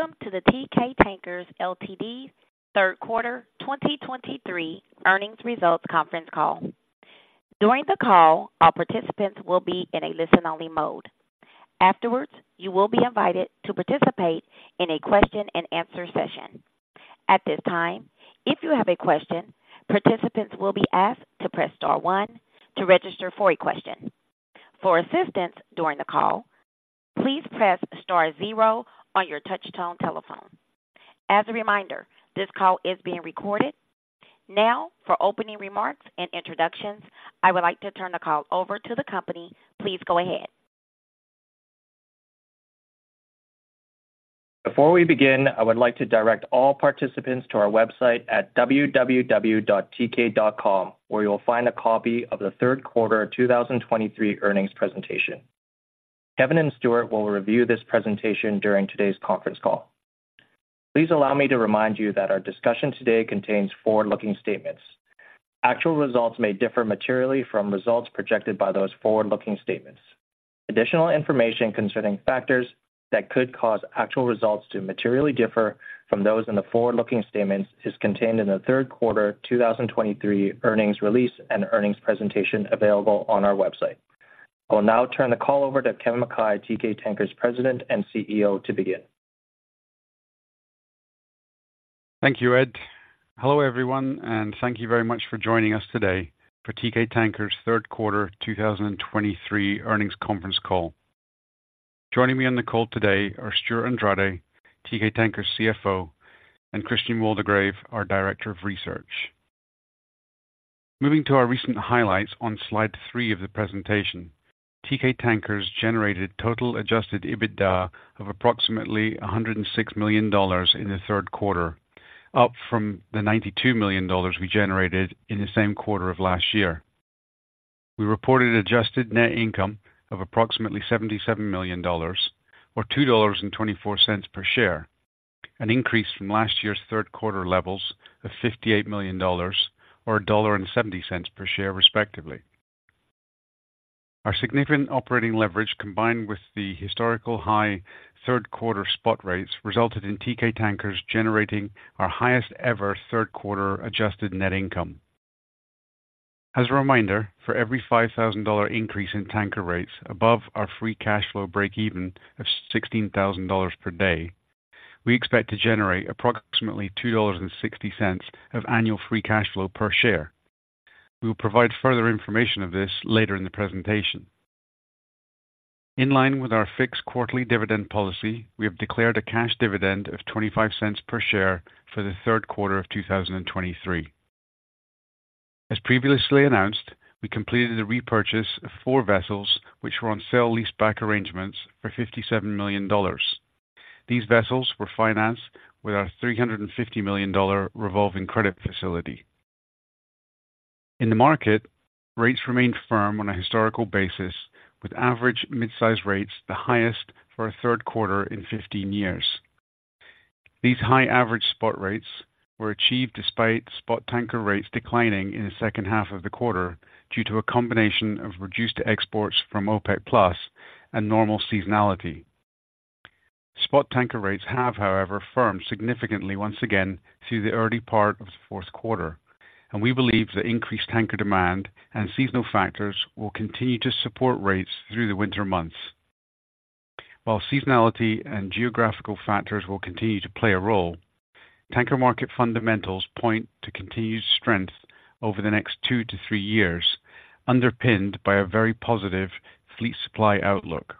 Welcome to the Teekay Tankers Ltd.'s third quarter 2023 earnings results conference call. During the call, all participants will be in a listen-only mode. Afterwards, you will be invited to participate in a question-and-answer session. At this time, if you have a question, participants will be asked to press star one to register for a question. For assistance during the call, please press star zero on your touchtone telephone. As a reminder, this call is being recorded. Now, for opening remarks and introductions, I would like to turn the call over to the company. Please go ahead. Before we begin, I would like to direct all participants to our website at www.teekay.com, where you will find a copy of the third quarter 2023 earnings presentation. Kevin and Stewart will review this presentation during today's conference call. Please allow me to remind you that our discussion today contains forward-looking statements. Actual results may differ materially from results projected by those forward-looking statements. Additional information concerning factors that could cause actual results to materially differ from those in the forward-looking statements is contained in the third quarter 2023 earnings release and earnings presentation available on our website. I will now turn the call over to Kevin Mackay, Teekay Tankers President and CEO, to begin. Thank you, Ed. Hello, everyone, and thank you very much for joining us today for Teekay Tankers' third quarter 2023 earnings conference call. Joining me on the call today are Stewart Andrade, Teekay Tankers' CFO, and Christian Waldegrave, our Director of Research. Moving to our recent highlights on slide 3 of the presentation, Teekay Tankers generated total Adjusted EBITDA of approximately $106 million in the third quarter, up from the $92 million we generated in the same quarter of last year. We reported adjusted net income of approximately $77 million or $2.24 per share, an increase from last year's third quarter levels of $58 million or $1.70 per share, respectively. Our significant operating leverage, combined with the historical high third quarter spot rates, resulted in Teekay Tankers generating our highest ever third quarter adjusted net income. As a reminder, for every $5,000 increase in tanker rates above our Free Cash Flow Breakeven of $16,000 per day, we expect to generate approximately $2.60 of annual free cash flow per share. We will provide further information of this later in the presentation. In line with our fixed quarterly dividend policy, we have declared a cash dividend of $0.25 per share for the third quarter of 2023. As previously announced, we completed the repurchase of four vessels, which were on sale leaseback arrangements for $57 million. These vessels were financed with our $350 million revolving credit facility. In the market, rates remained firm on a historical basis, with average mid-size rates the highest for a third quarter in 15 years. These high average spot rates were achieved despite spot tanker rates declining in the second half of the quarter due to a combination of reduced exports from OPEC+ and normal seasonality. Spot tanker rates have, however, firmed significantly once again through the early part of the fourth quarter, and we believe that increased tanker demand and seasonal factors will continue to support rates through the winter months. While seasonality and geographical factors will continue to play a role, tanker market fundamentals point to continued strength over the next 2-3 years, underpinned by a very positive fleet supply outlook.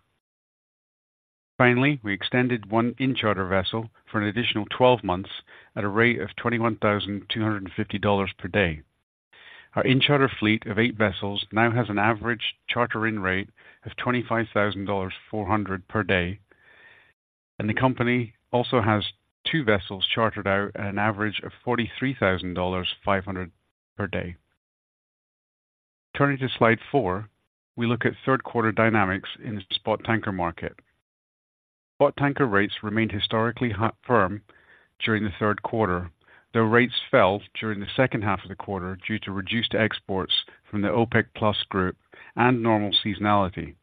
Finally, we extended one in-charter vessel for an additional 12 months at a rate of $21,250 per day. Our in-charter fleet of eight vessels now has an average charter-in rate of $25,400 per day, and the company also has two vessels chartered out at an average of $43,500 per day. Turning to Slide 4, we look at third quarter dynamics in the spot tanker market. Spot tanker rates remained historically high firm during the third quarter, though rates fell during the second half of the quarter due to reduced exports from the OPEC+ group and normal seasonality.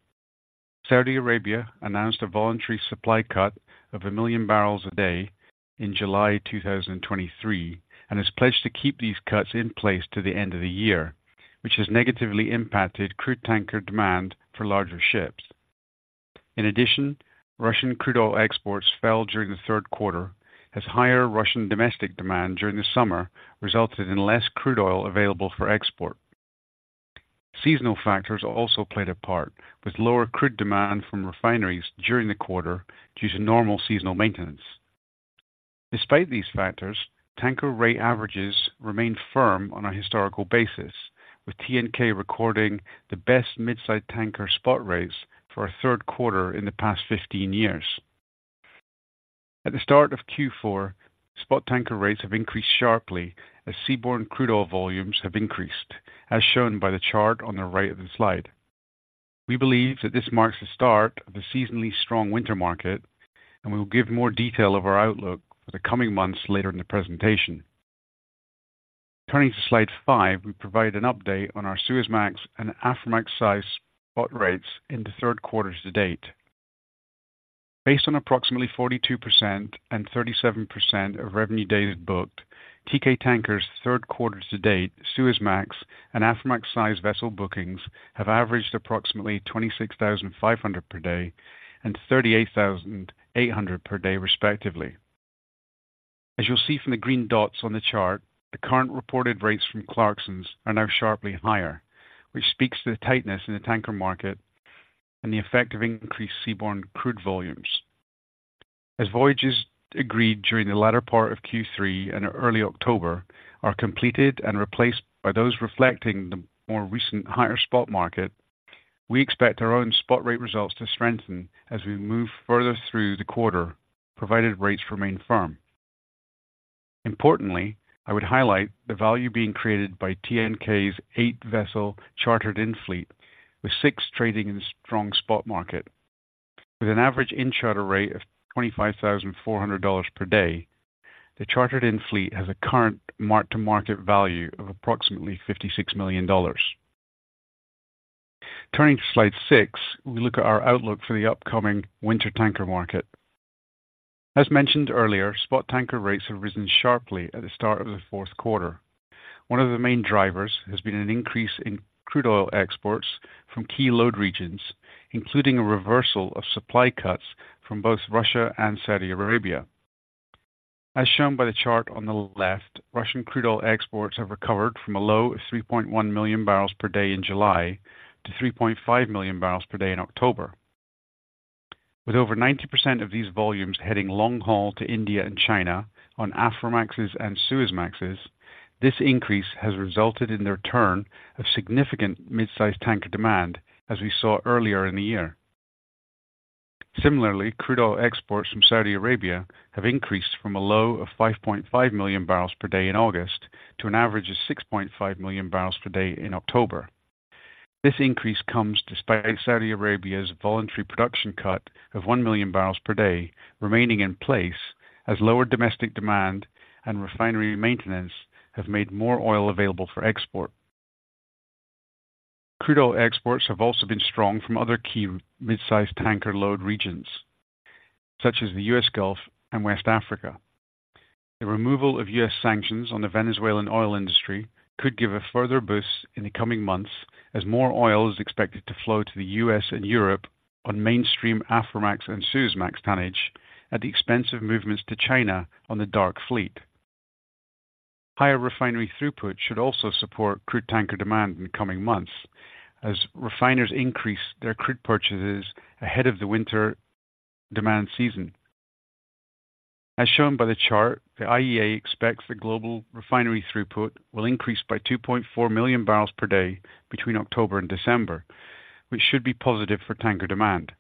Saudi Arabia announced a voluntary supply cut of 1 million barrels a day in July 2023, and has pledged to keep these cuts in place to the end of the year, which has negatively impacted crude tanker demand for larger ships. In addition, Russian crude oil exports fell during the third quarter, as higher Russian domestic demand during the summer resulted in less crude oil available for export. Seasonal factors also played a part, with lower crude demand from refineries during the quarter due to normal seasonal maintenance. Despite these factors, tanker rate averages remained firm on a historical basis, with TNK recording the best mid-size tanker spot rates for a third quarter in the past 15 years. At the start of Q4, spot tanker rates have increased sharply as seaborne crude oil volumes have increased, as shown by the chart on the right of the slide. We believe that this marks the start of the seasonally strong winter market, and we will give more detail of our outlook for the coming months later in the presentation. Turning to slide 5, we provide an update on our Suezmax and Aframax size spot rates in the third quarter to date. Based on approximately 42% and 37% of revenue days booked, Teekay Tankers third quarter to date, Suezmax and Aframax-sized vessel bookings have averaged approximately 26,500 per day and 38,800 per day, respectively. As you'll see from the green dots on the chart, the current reported rates from Clarksons are now sharply higher, which speaks to the tightness in the tanker market and the effect of increased seaborne crude volumes. As voyages agreed during the latter part of Q3 and early October are completed and replaced by those reflecting the more recent higher spot market, we expect our own spot rate results to strengthen as we move further through the quarter, provided rates remain firm. Importantly, I would highlight the value being created by TNK's 8-vessel chartered-in fleet, with 6 trading in a strong spot market. With an average in-charter rate of $25,400 per day, the chartered-in fleet has a current mark-to-market value of approximately $56 million. Turning to slide 6, we look at our outlook for the upcoming winter tanker market. As mentioned earlier, spot tanker rates have risen sharply at the start of the fourth quarter. One of the main drivers has been an increase in crude oil exports from key load regions, including a reversal of supply cuts from both Russia and Saudi Arabia. As shown by the chart on the left, Russian crude oil exports have recovered from a low of 3.1 million barrels per day in July to 3.5 million barrels per day in October. With over 90% of these volumes heading long haul to India and China on Aframaxes and Suezmaxes, this increase has resulted in the return of significant mid-size tanker demand, as we saw earlier in the year. Similarly, crude oil exports from Saudi Arabia have increased from a low of 5.5 million barrels per day in August to an average of 6.5 million barrels per day in October. This increase comes despite Saudi Arabia's voluntary production cut of 1 million barrels per day remaining in place, as lower domestic demand and refinery maintenance have made more oil available for export. Crude oil exports have also been strong from other key mid-size tanker load regions, such as the US Gulf and West Africa. The removal of U.S. sanctions on the Venezuelan oil industry could give a further boost in the coming months as more oil is expected to flow to the U.S. and Europe on mainstream Aframax and Suezmax tonnage at the expense of movements to China on the Dark Fleet. Higher refinery throughput should also support crude tanker demand in the coming months as refiners increase their crude purchases ahead of the winter demand season. As shown by the chart, the IEA expects that global refinery throughput will increase by 2.4 million barrels per day between October and December, which should be positive for tanker demand.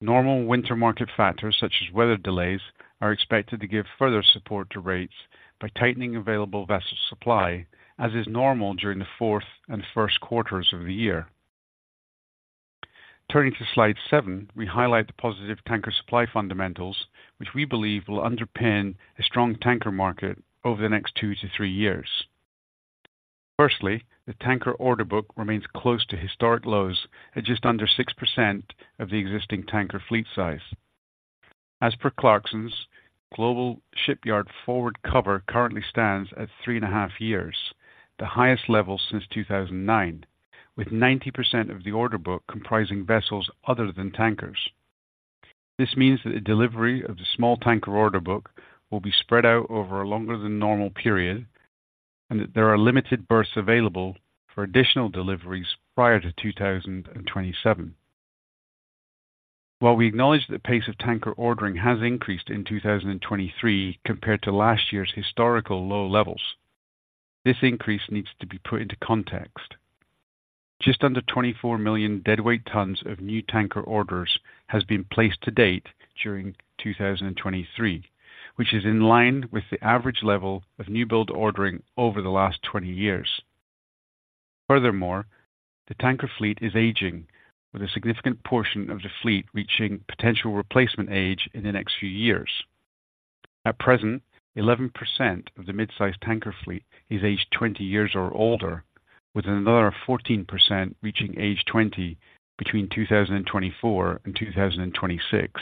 Normal winter market factors, such as weather delays, are expected to give further support to rates by tightening available vessel supply, as is normal during the fourth and first quarters of the year. Turning to slide 7, we highlight the positive tanker supply fundamentals, which we believe will underpin a strong tanker market over the next two to three years. Firstly, the tanker order book remains close to historic lows at just under 6% of the existing tanker fleet size. As per Clarksons, global shipyard forward cover currently stands at 3.5 years, the highest level since 2009, with 90% of the order book comprising vessels other than tankers. This means that the delivery of the small tanker order book will be spread out over a longer than normal period, and that there are limited berths available for additional deliveries prior to 2027. While we acknowledge that pace of tanker ordering has increased in 2023 compared to last year's historical low levels, this increase needs to be put into context. Just under 24 million deadweight tons of new tanker orders has been placed to date during 2023, which is in line with the average level of newbuild ordering over the last 20 years. Furthermore, the tanker fleet is aging, with a significant portion of the fleet reaching potential replacement age in the next few years. At present, 11% of the mid-size tanker fleet is aged 20 years or older, with another 14% reaching age 20 between 2024 and 2026.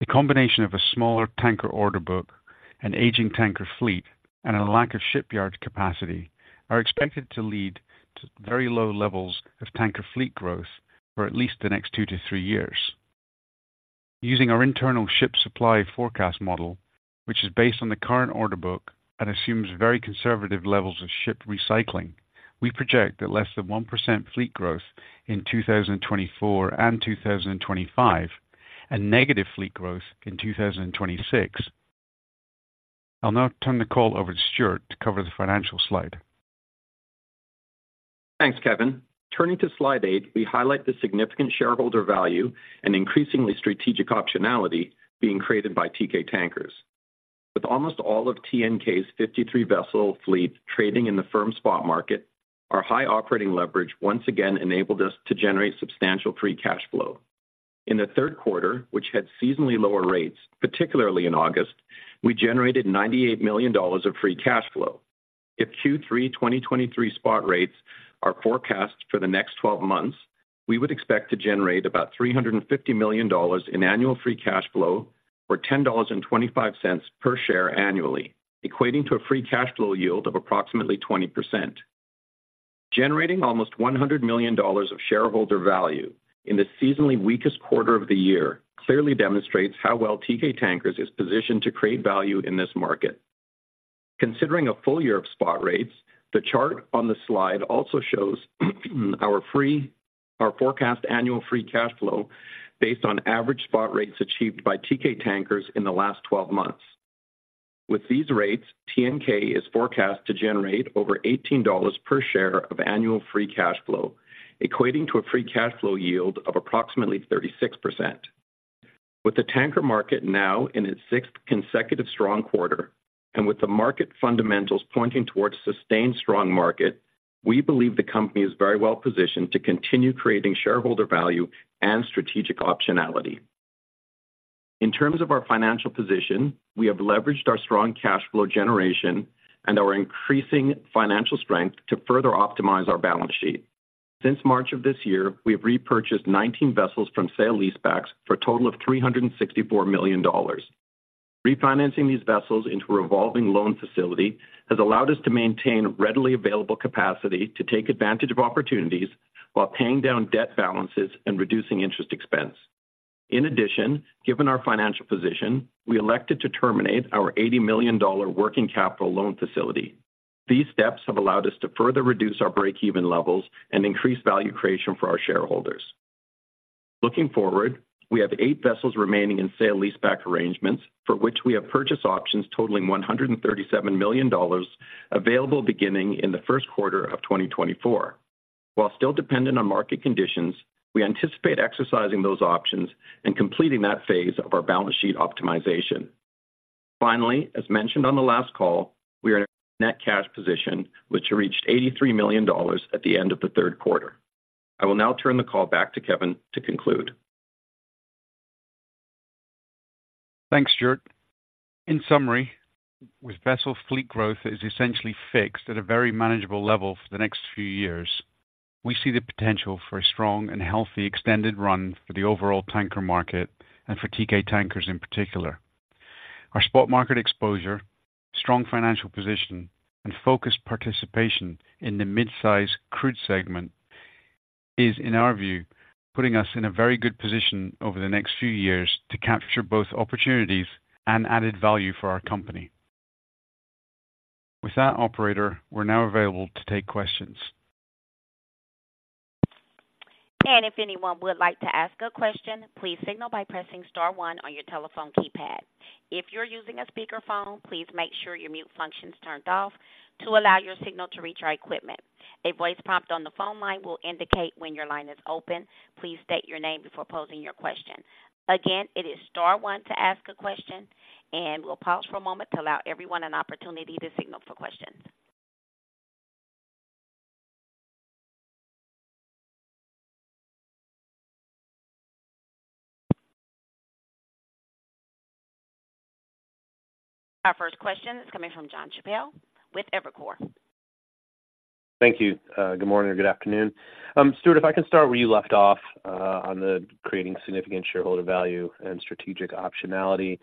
The combination of a smaller tanker order book, an aging tanker fleet, and a lack of shipyard capacity are expected to lead to very low levels of tanker fleet growth for at least the next two to three years. Using our internal ship supply forecast model, which is based on the current order book and assumes very conservative levels of ship recycling, we project that less than 1% fleet growth in 2024 and 2025, and negative fleet growth in 2026. I'll now turn the call over to Stewart to cover the financial slide. Thanks, Kevin. Turning to slide 8, we highlight the significant shareholder value and increasingly strategic optionality being created by Teekay Tankers. With almost all of TNK's 53-vessel fleet trading in the firm spot market, our high operating leverage once again enabled us to generate substantial free cash flow... in the third quarter, which had seasonally lower rates, particularly in August, we generated $98 million of free cash flow. If Q3 2023 spot rates are forecast for the next 12 months, we would expect to generate about $350 million in annual free cash flow or $10.25 per share annually, equating to a free cash flow yield of approximately 20%. Generating almost $100 million of shareholder value in the seasonally weakest quarter of the year, clearly demonstrates how well Teekay Tankers is positioned to create value in this market. Considering a full year of spot rates, the chart on the slide also shows our forecast annual free cash flow based on average spot rates achieved by Teekay Tankers in the last 12 months. With these rates, TNK is forecast to generate over $18 per share of annual free cash flow, equating to a free cash flow yield of approximately 36%. With the tanker market now in its sixth consecutive strong quarter, and with the market fundamentals pointing towards sustained strong market, we believe the company is very well positioned to continue creating shareholder value and strategic optionality. In terms of our financial position, we have leveraged our strong cash flow generation and our increasing financial strength to further optimize our balance sheet. Since March of this year, we have repurchased 19 vessels from sale leasebacks for a total of $364 million. Refinancing these vessels into a revolving loan facility has allowed us to maintain readily available capacity to take advantage of opportunities while paying down debt balances and reducing interest expense. In addition, given our financial position, we elected to terminate our $80 million working capital loan facility. These steps have allowed us to further reduce our breakeven levels and increase value creation for our shareholders. Looking forward, we have eight vessels remaining in sale leaseback arrangements, for which we have purchase options totaling $137 million available beginning in the first quarter of 2024. While still dependent on market conditions, we anticipate exercising those options and completing that phase of our balance sheet optimization. Finally, as mentioned on the last call, we are in a net cash position, which reached $83 million at the end of the third quarter. I will now turn the call back to Kevin to conclude. Thanks, Stewart. In summary, with vessel fleet growth is essentially fixed at a very manageable level for the next few years, we see the potential for a strong and healthy extended run for the overall tanker market and for Teekay Tankers in particular. Our spot market exposure, strong financial position, and focused participation in the mid-size crude segment is, in our view, putting us in a very good position over the next few years to capture both opportunities and added value for our company. With that operator, we're now available to take questions. If anyone would like to ask a question, please signal by pressing star one on your telephone keypad. If you're using a speakerphone, please make sure your mute function is turned off to allow your signal to reach our equipment. A voice prompt on the phone line will indicate when your line is open. Please state your name before posing your question. Again, it is star one to ask a question, and we'll pause for a moment to allow everyone an opportunity to signal for questions. Our first question is coming from John Chappell with Evercore. Thank you. Good morning or good afternoon. Stewart, if I can start where you left off, on the creating significant shareholder value and strategic optionality.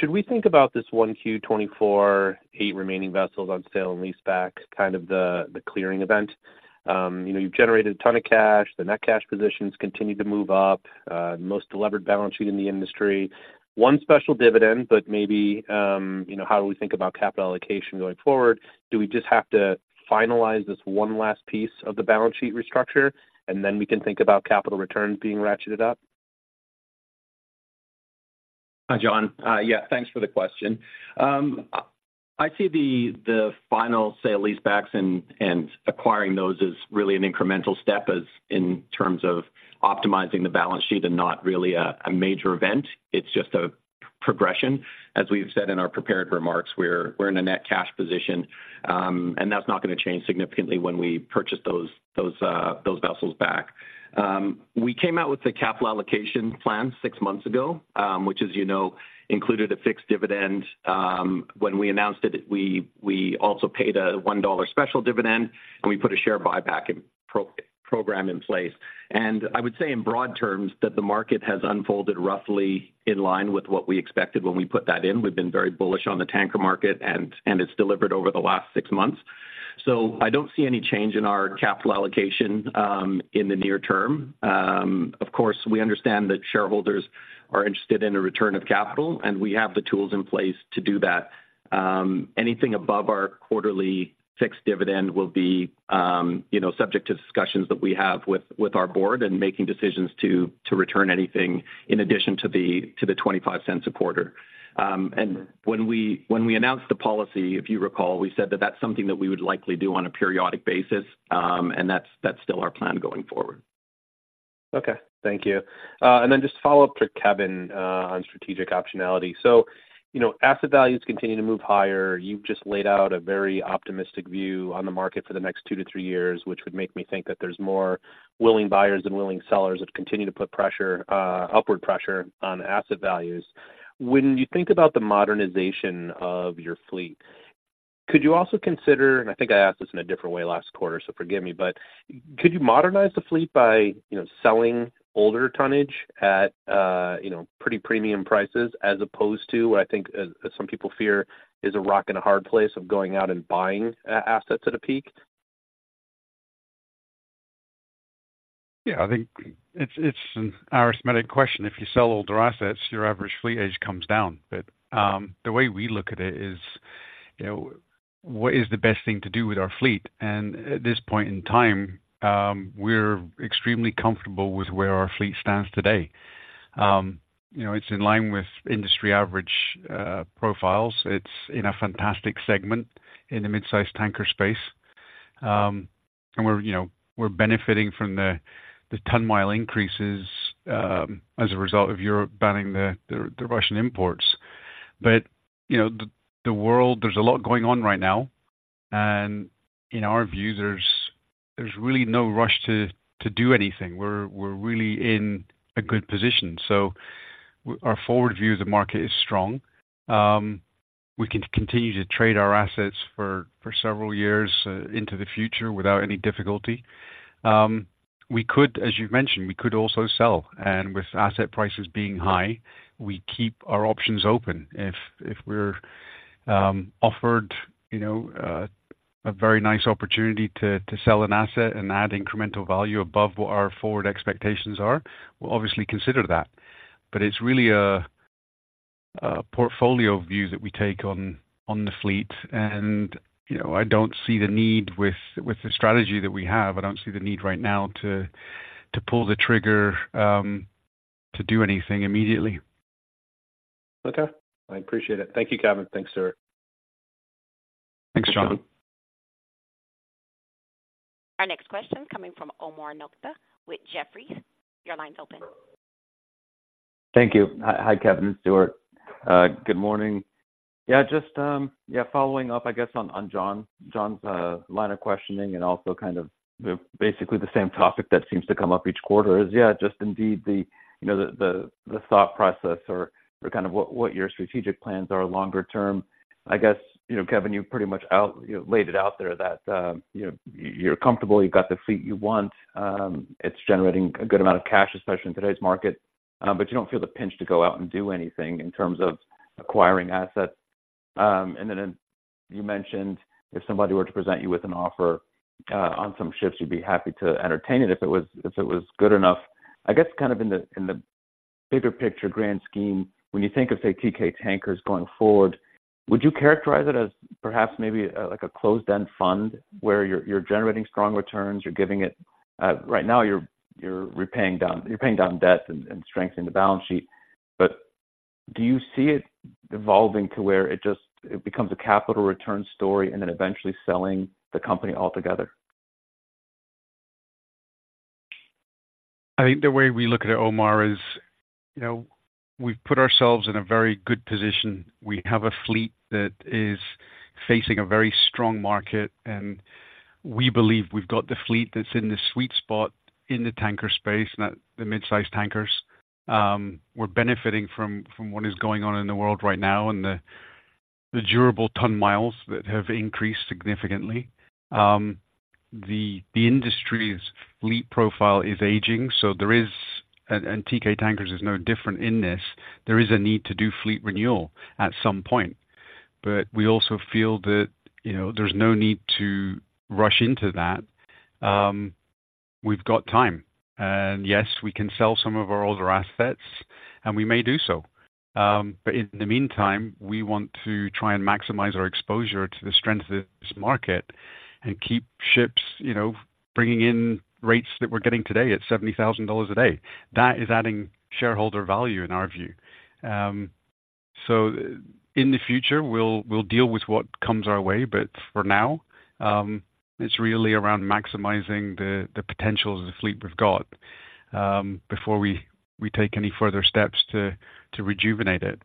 Should we think about this 1Q 2024, eight remaining vessels on sale and leaseback, kind of the, the clearing event? You know, you've generated a ton of cash. The net cash positions continue to move up, the most delivered balance sheet in the industry. One special dividend, but maybe, you know, how do we think about capital allocation going forward? Do we just have to finalize this one last piece of the balance sheet restructure, and then we can think about capital returns being ratcheted up? Hi, John. Yeah, thanks for the question. I see the final sale leasebacks and acquiring those is really an incremental step as in terms of optimizing the balance sheet and not really a major event. It's just a progression. As we've said in our prepared remarks, we're in a net cash position, and that's not going to change significantly when we purchase those vessels back. We came out with the capital allocation plan six months ago, which, as you know, included a fixed dividend. When we announced it, we also paid a $1 special dividend, and we put a share buyback program in place. And I would say in broad terms, that the market has unfolded roughly in line with what we expected when we put that in. We've been very bullish on the tanker market, and it's delivered over the last six months. So I don't see any change in our capital allocation in the near term. Of course, we understand that shareholders are interested in a return of capital, and we have the tools in place to do that. Anything above our quarterly fixed dividend will be, you know, subject to discussions that we have with our board and making decisions to return anything in addition to the $0.25 a quarter. And when we announced the policy, if you recall, we said that that's something that we would likely do on a periodic basis, and that's still our plan going forward.... Okay. Thank you. And then just follow up to Kevin on strategic optionality. So, you know, asset values continue to move higher. You've just laid out a very optimistic view on the market for the next two to three years, which would make me think that there's more willing buyers and willing sellers that continue to put pressure, upward pressure on asset values. When you think about the modernization of your fleet, could you also consider, and I think I asked this in a different way last quarter, so forgive me, but could you modernize the fleet by, you know, selling older tonnage at, you know, pretty premium prices, as opposed to what I think, as, as some people fear, is a rock and a hard place of going out and buying assets at a peak? Yeah, I think it's, it's an arithmetic question. If you sell older assets, your average fleet age comes down. But the way we look at it is, you know, what is the best thing to do with our fleet? And at this point in time, we're extremely comfortable with where our fleet stands today. You know, it's in line with industry average profiles. It's in a fantastic segment in the mid-sized tanker space. And we're, you know, we're benefiting from the ton-mile increases as a result of Europe banning the Russian imports. But you know, the world—there's a lot going on right now, and in our view, there's really no rush to do anything. We're really in a good position. So our forward view of the market is strong. We can continue to trade our assets for several years into the future without any difficulty. We could, as you've mentioned, we could also sell, and with asset prices being high, we keep our options open. If we're offered, you know, a very nice opportunity to sell an asset and add incremental value above what our forward expectations are, we'll obviously consider that. But it's really a portfolio view that we take on the fleet and, you know, I don't see the need with the strategy that we have, I don't see the need right now to pull the trigger to do anything immediately. Okay. I appreciate it. Thank you, Kevin. Thanks, Stewart. Thanks, John. Our next question coming from Omar Nokta with Jefferies. Your line's open. Thank you. Hi, hi, Kevin, Stewart. Good morning. Yeah, just, yeah, following up, I guess, on, on John, John's line of questioning and also kind of basically the same topic that seems to come up each quarter is, yeah, just indeed the, you know, the thought process or kind of what your strategic plans are longer term. I guess, you know, Kevin, you pretty much laid it out there that, you know, you're comfortable, you've got the fleet you want. It's generating a good amount of cash, especially in today's market, but you don't feel the pinch to go out and do anything in terms of acquiring assets. And then in... You mentioned, if somebody were to present you with an offer on some ships, you'd be happy to entertain it if it was good enough. I guess, kind of in the bigger picture, grand scheme, when you think of, say, Teekay Tankers going forward, would you characterize it as perhaps maybe like a closed-end fund, where you're generating strong returns, you're giving it? Right now, you're paying down debt and strengthening the balance sheet. But do you see it evolving to where it just becomes a capital return story and then eventually selling the company altogether? I think the way we look at it, Omar, is, you know, we've put ourselves in a very good position. We have a fleet that is facing a very strong market, and we believe we've got the fleet that's in the sweet spot in the tanker space, not the mid-sized tankers. We're benefiting from what is going on in the world right now and the durable ton miles that have increased significantly. The industry's fleet profile is aging, so there is. And Teekay Tankers is no different in this. There is a need to do fleet renewal at some point, but we also feel that, you know, there's no need to rush into that. We've got time. And, yes, we can sell some of our older assets, and we may do so. But in the meantime, we want to try and maximize our exposure to the strength of this market and keep ships, you know, bringing in rates that we're getting today at $70,000 a day. That is adding shareholder value in our view. So in the future, we'll deal with what comes our way, but for now, it's really around maximizing the potential of the fleet we've got, before we take any further steps to rejuvenate it.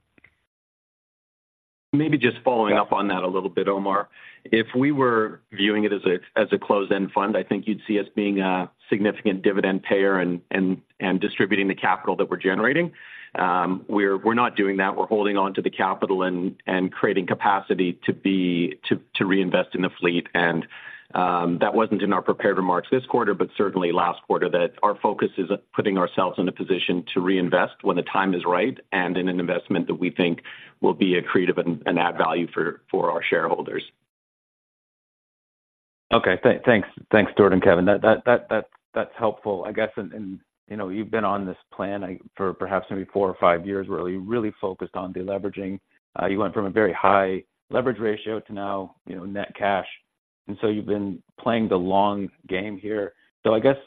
Maybe just following up on that a little bit, Omar. If we were viewing it as a, as a closed-end fund, I think you'd see us being a significant dividend payer and, and, and distributing the capital that we're generating. We're, we're not doing that. We're holding on to the capital and, and creating capacity to be, to, to reinvest in the fleet. And, that wasn't in our prepared remarks this quarter, but certainly last quarter, that our focus is on putting ourselves in a position to reinvest when the time is right and in an investment that we think will be accretive and, and add value for, for our shareholders. Okay. Thanks. Thanks, Stewart and Kevin. That's helpful. I guess, you know, you've been on this plan for perhaps maybe four or five years, where you really focused on deleveraging. You went from a very high leverage ratio to now, you know, net cash, and so you've been playing the long game here. So I guess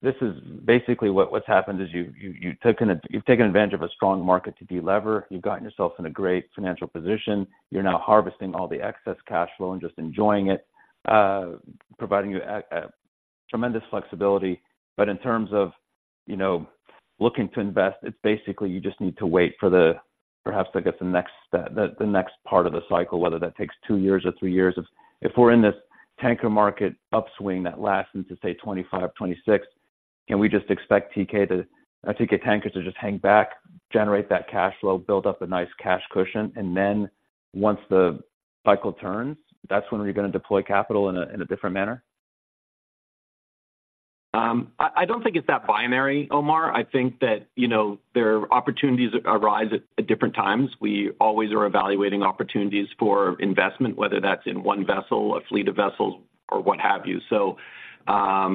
this is basically what's happened, is you've taken advantage of a strong market to delever. You've gotten yourself in a great financial position. You're now harvesting all the excess cash flow and just enjoying it, providing you tremendous flexibility. But in terms of, you know, looking to invest, it's basically you just need to wait for the—perhaps, I guess, the next, the, the next part of the cycle, whether that takes 2 years or 3 years. If, if we're in this tanker market upswing that lasts into, say, 2025, 2026, can we just expect Teekay to, Teekay Tankers to just hang back, generate that cash flow, build up a nice cash cushion, and then once the cycle turns, that's when we're gonna deploy capital in a, in a different manner? I don't think it's that binary, Omar. I think that, you know, there are opportunities arise at different times. We always are evaluating opportunities for investment, whether that's in one vessel, a fleet of vessels, or what have you. So, our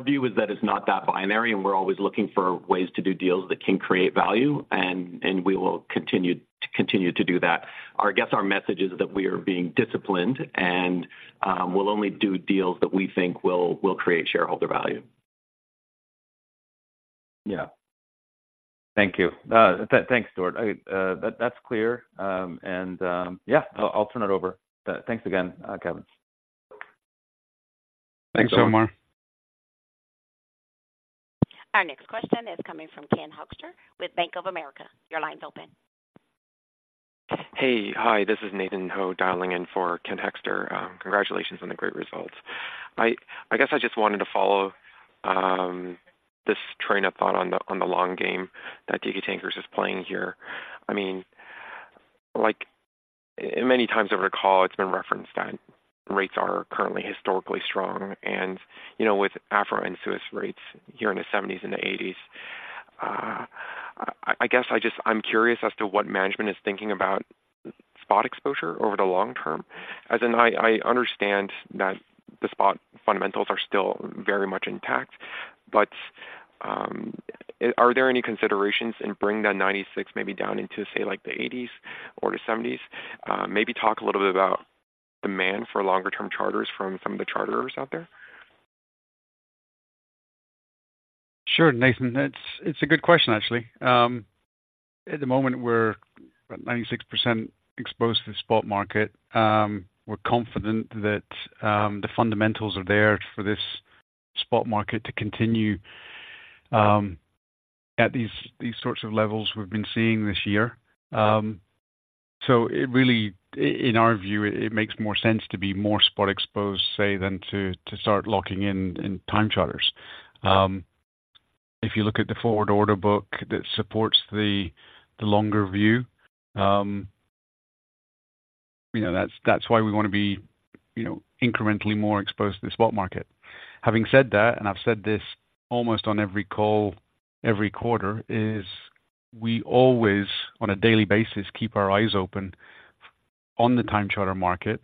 view is that it's not that binary, and we're always looking for ways to do deals that can create value, and we will continue to do that. Our guess, our message is that we are being disciplined, and we'll only do deals that we think will create shareholder value. Yeah. Thank you. Thanks, Stewart. That's clear. Yeah, I'll turn it over. Thanks again, Kevin. Thanks, Omar. Our next question is coming from Ken Hoexter with Bank of America. Your line's open. Hey. Hi, this is Nathan Ho, dialing in for Ken Hoexter. Congratulations on the great results. I guess I just wanted to follow this train of thought on the long game that Teekay Tankers is playing here. I mean, like, many times over the call, it's been referenced that rates are currently historically strong and, you know, with Aframax and Suezmax rates here in the 70s and the 80s. I guess I'm curious as to what management is thinking about spot exposure over the long term. As in, I understand that the spot fundamentals are still very much intact, but are there any considerations in bringing that 96 maybe down into, say, like the 80s or the 70s? Maybe talk a little bit about demand for longer-term charters from some of the charterers out there. Sure, Nathan. It's a good question, actually. At the moment, we're about 96% exposed to the spot market. We're confident that the fundamentals are there for this spot market to continue at these sorts of levels we've been seeing this year. So it really, in our view, it makes more sense to be more spot exposed, say, than to start locking in time charters. If you look at the forward order book that supports the longer view, you know, that's why we want to be, you know, incrementally more exposed to the spot market. Having said that, and I've said this almost on every call, every quarter, is we always, on a daily basis, keep our eyes open on the time charter market,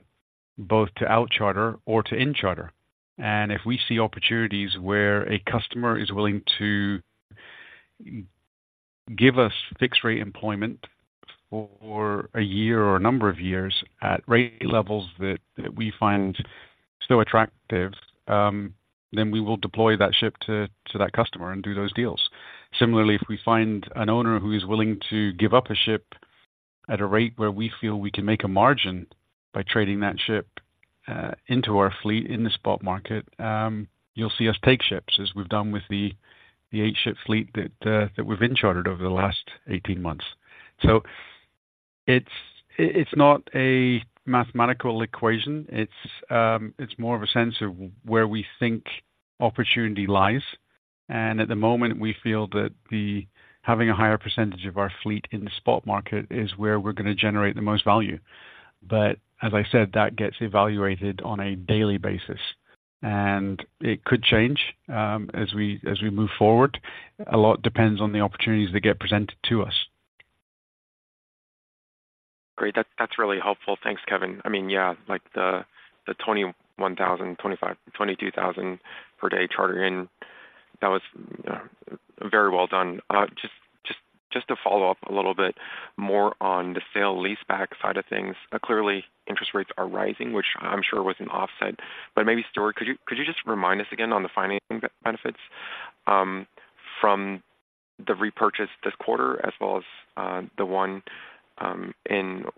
both to out charter or to in charter. If we see opportunities where a customer is willing to give us fixed-rate employment for a year or a number of years at rate levels that we find so attractive, then we will deploy that ship to that customer and do those deals. Similarly, if we find an owner who is willing to give up a ship at a rate where we feel we can make a margin by trading that ship into our fleet in the spot market, you'll see us take ships, as we've done with the 8-ship fleet that we've in-chartered over the last 18 months. So it's not a mathematical equation. It's more of a sense of where we think opportunity lies, and at the moment, we feel that having a higher percentage of our fleet in the spot market is where we're gonna generate the most value. But as I said, that gets evaluated on a daily basis, and it could change, as we move forward. A lot depends on the opportunities that get presented to us. Great. That's, that's really helpful. Thanks, Kevin. I mean, yeah, like the, the 21,000, 25, 22,000 per day charter in, that was, very well done. Just, just to follow up a little bit more on the sale leaseback side of things. Clearly, interest rates are rising, which I'm sure was an offset, but maybe, Stewart, could you, could you just remind us again on the financing benefits, from the repurchase this quarter as well as, the one, in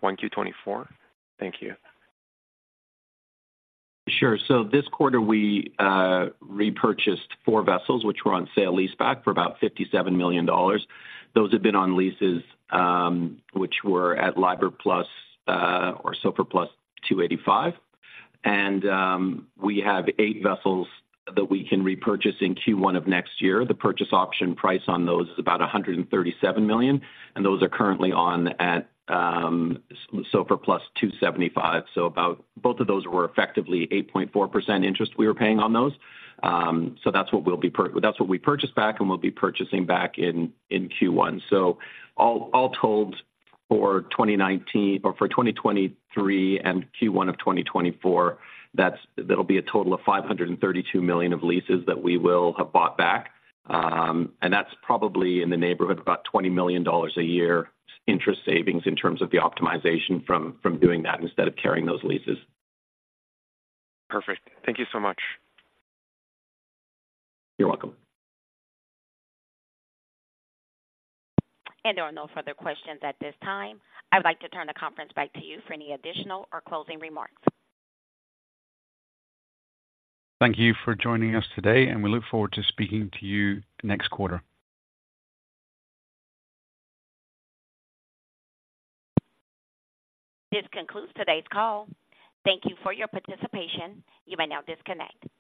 1Q 2024? Thank you. Sure. So this quarter we repurchased four vessels, which were on sale leaseback for about $57 million. Those had been on leases, which were at LIBOR plus or SOFR plus 285. And we have eight vessels that we can repurchase in Q1 of next year. The purchase option price on those is about $137 million, and those are currently on at SOFR plus 275. Both of those were effectively 8.4% interest we were paying on those. So that's what we purchased back and we'll be purchasing back in Q1. So all told, for 2023 and Q1 of 2024, that'll be a total of $532 million of leases that we will have bought back. That's probably in the neighborhood of about $20 million a year interest savings in terms of the optimization from doing that instead of carrying those leases. Perfect. Thank you so much. You're welcome. There are no further questions at this time. I'd like to turn the conference back to you for any additional or closing remarks. Thank you for joining us today, and we look forward to speaking to you next quarter. This concludes today's call. Thank you for your participation. You may now disconnect.